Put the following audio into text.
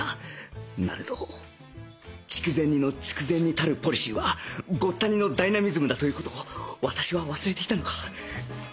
なれど筑前煮の筑前煮たるポリシーはごった煮のダイナミズムだという事を私は忘れていたのか？